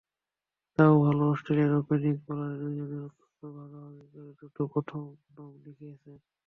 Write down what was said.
তা-ও ভালো, অস্ট্রেলিয়ার ওপেনিং বোলারের দুজনই অন্তত ভাগাভাগি করে দুটো প্রথমে নাম লিখিয়েছেন।